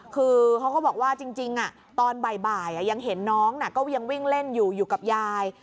คือเขาก็บอกว่าจริงตอนบ่ายยังเห็นน้องก็ยังวิ่งเล่นอยู่อยู่กับยาย